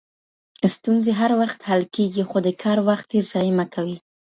ستونزې هر وخت حل کېږي، خو د کار وخت یې ضایع مه کوئ.